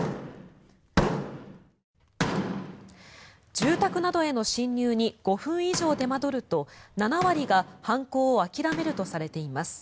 住宅などへの侵入に５分以上手間取ると７割が犯行を諦めるとされています。